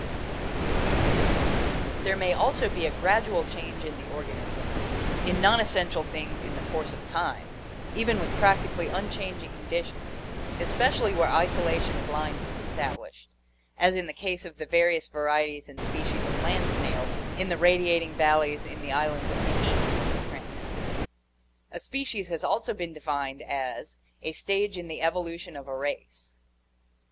CLASSIFICATION OF ORGANISMS 33 There may also be a gradual change in the organisms in non essential things in the course of time, even with practically un changing conditions, especially where isolation of lines is estab lished, as in the case of the various varieties and species of land snails in the radiating valleys in the islands of Tahiti (Cramp ton). A species has also been defined as "a stage in the evolution of a race."